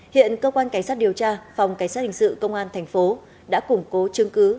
hiện cơ quan cảnh sát điều tra đã củng cố chứng cứ